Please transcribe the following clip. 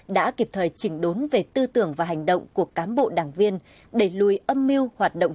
đã kịp thời trình đốn về tư tưởng và hành động của cám bộ đảng viên để lùi âm mưu hoạt động